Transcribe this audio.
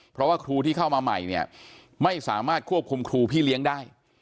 เพราะว่าครูที่เข้ามาใหม่เนี่ยไม่สามารถควบคุมครูพี่เลี้ยงได้